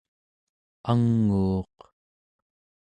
anguuq